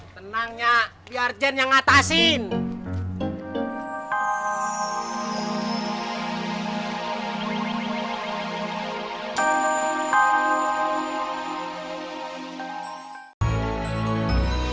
tenang ya biar jen yang ngatasin